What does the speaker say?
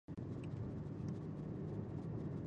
د درناوي نه شتون باعث بې اعتمادي کېږي.